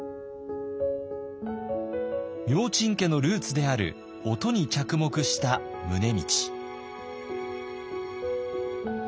明珍家のルーツである音に着目した宗理。